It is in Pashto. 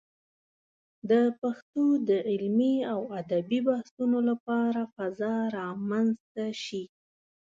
د پښتو د علمي او ادبي بحثونو لپاره فضا رامنځته شي.